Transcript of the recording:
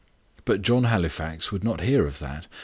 But John Halifax would not hear of that.